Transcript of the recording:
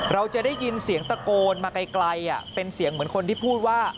เราจะได้ยินเสียงตะโกนมาไกลเป็นเสียงเหมือนคนที่พูดว่า